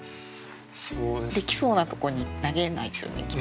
できそうなとこに投げないですよねきっと。